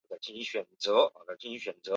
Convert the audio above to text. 在分析化学上用于处理矿样。